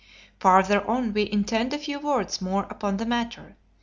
Farther on we intend a few words more upon the matter.